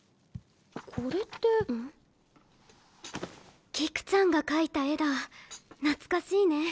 これって菊ちゃんが描いた絵だ懐かしいね